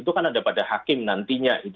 itu kan ada pada hakim nantinya